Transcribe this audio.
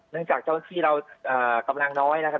เนื่องจากเจ้าที่เรากำลังน้อยนะครับ